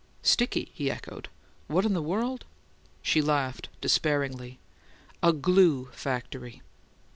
"'Sticky?'" he echoed. "What in the world " She laughed despairingly. "A glue factory!"